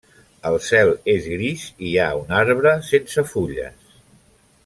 El cel és gris i hi ha un arbre sense fulles.